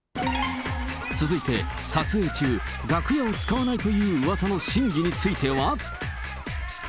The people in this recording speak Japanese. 続いて、撮影中、楽屋を使わないという噂の真偽については？